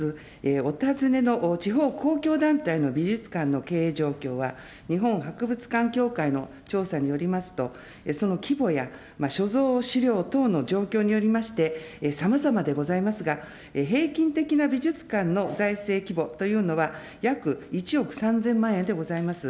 お尋ねの地方公共団体の美術館の経営状況は、日本博物館協会の調査によりますと、その規模や所蔵資料等の状況によりまして、さまざまでございますが、平均的な美術館の財政規模というのは、約１億３０００万円でございます。